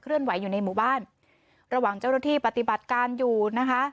อยู่ในหมู่บ้านระหว่างเจ้าหน้าที่ปฏิบัติการอยู่นะคะ